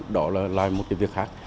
đó là lại một cái việc khác